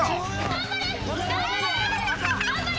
頑張れ！